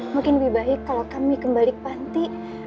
mungkin lebih baik kalau kami kembali ke panti